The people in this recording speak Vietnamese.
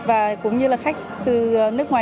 và cũng như là khách từ nước ngoài